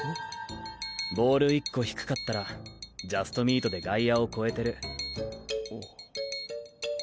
ボール１個低かったらジャストミートで外野を越えてる。